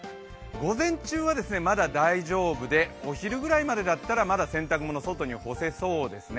午前中はですね、まだ大丈夫でお昼ぐらいまでだったら、まだ洗濯物、外に干せそうですね。